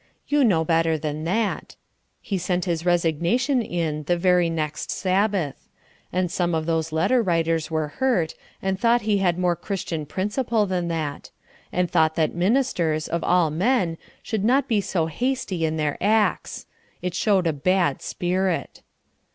You know better than that. He sent his resignation in the very next Sabbath; and some of those letter writers were hurt, and thought he had more Christian principle than that; and thought that ministers, of all men, should not be so hasty in their acts. It showed a bad spirit.